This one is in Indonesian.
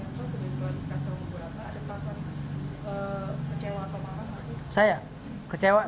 ternyata sedangkan kasus berbunka ada perasaan kecewa atau marah mas